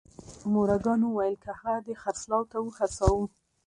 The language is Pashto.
مورګان وویل که هغه دې خرڅلاو ته وهڅاوه